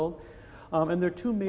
dan ada dua masalah utama